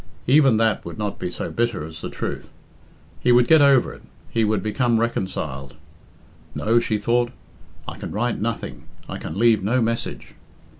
Even that would not be so bitter as the truth. He would get over it he would become reconciled. "No," she thought, "I can write nothing I can leave no message."